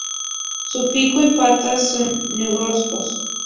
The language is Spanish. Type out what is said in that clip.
Su pico y patas son negruzcos.